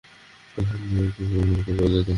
শামা, তুই-ই বলে দে।